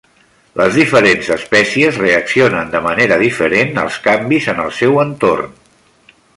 Les diferents espècies reaccionen de manera diferent als canvis en el seu entorn.